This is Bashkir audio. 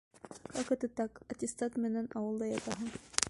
Как это так, аттестат менән ауылда ятаһың?